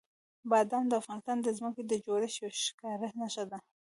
بادام د افغانستان د ځمکې د جوړښت یوه ښکاره نښه ده.